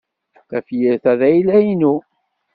Tafyirt-a d ayla-inu.